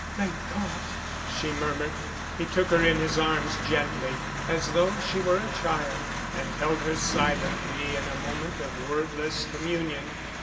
"Thank God," she murmured. He took her in his arms, gently, as though she were a child, and held her silently in a moment of wordless communion.